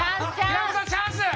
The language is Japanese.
平子さんチャンス！